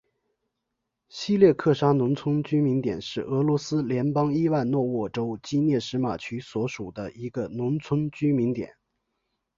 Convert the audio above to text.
希列克沙农村居民点是俄罗斯联邦伊万诺沃州基涅什马区所属的一个农村居民点。